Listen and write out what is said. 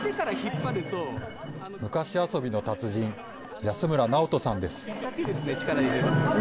昔遊びの達人、安村尚人さんです。